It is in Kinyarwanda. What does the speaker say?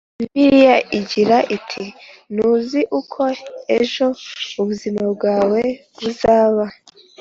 Bibiliya igira iti ntuzi uko ejo ubuzima bwawe buzaba